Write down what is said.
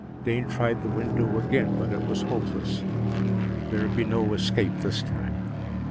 Dane tried the window again, but it was hopeless. There would be no escape this time.